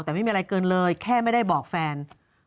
แต่ไม่มีอะไรเกินเลยแค่ไม่ได้บอกแฟน